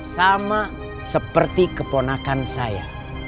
sama seperti keponakan saya